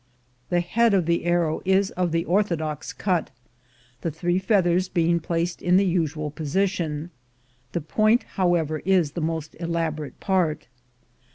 The head of the arrow is of the orthodox cut, the three feathers being placed in the usual position; the point, how ever, is the most elaborate part.